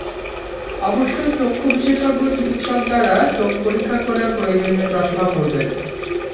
অবশ্যই চক্ষু বিশেষজ্ঞ চিকিৎসক দ্বারা চোখ পরীক্ষা করে প্রয়োজনীয় চশমা পরবেন।